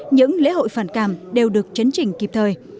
những lễ hội phản cảm đều được chấn chỉnh kịp thời